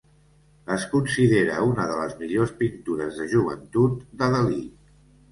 Es considera una de les millors pintures de joventut de Dalí.